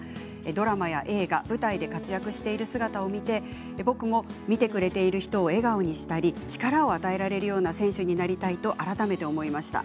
ドラマや映画、舞台で活躍している姿を見て僕も見てくれている人を笑顔にしたり力を与えられるような選手になりたいと改めて思いました。